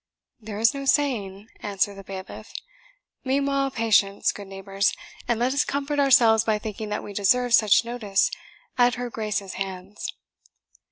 "There is no saying," answered the bailiff. "Meanwhile, patience, good neighbours, and let us comfort ourselves by thinking that we deserve such notice at her Grace's hands."